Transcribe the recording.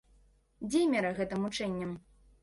Дзе мера гэтым мучэнням?